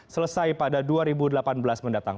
selesai pada dua ribu delapan belas mendatang